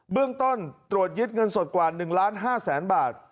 เรื่องต้นตรวจยึดเงินสดกว่า๑๕๐๐๐๐บาท